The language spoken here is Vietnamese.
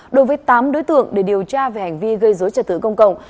đối với tám đối tượng để điều tra về hành vi gây dối trật tự công cộng